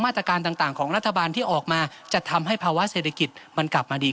ตรการต่างของรัฐบาลที่ออกมาจะทำให้ภาวะเศรษฐกิจมันกลับมาดี